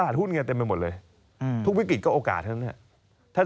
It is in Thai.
ช่วงที่เกิดแบบฮัมเบอร์เกอร์คลายซิสอะไรพวกนั้น